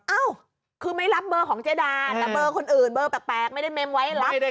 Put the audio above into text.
เอ้าคือไม่รับเบอร์ของเจดาแต่เบอร์คนอื่นเบอร์แปลกไม่ได้เมมไว้รับ